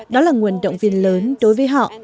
đó là nguồn động viên lớn đối với họ